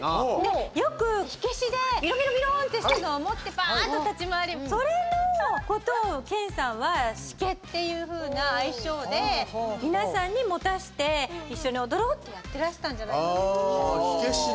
よく火消しでビロビロビロンとしたのを持ってバーッと立ち回るそれのことを健さんはシケというふうな愛称で皆さんに持たせて一緒に踊ろうとやってらしたんじゃないかと。